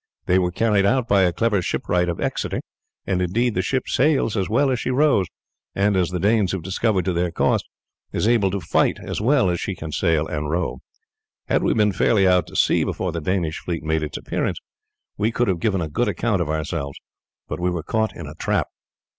They were carried out by a clever shipwright of Exeter; and, indeed, the ship sails as well as she rows, and, as the Danes have discovered to their cost, is able to fight as well as she can sail and row. Had we been fairly out to sea before the Danish fleet made its appearance we could have given a good account of ourselves, but we were caught in a trap."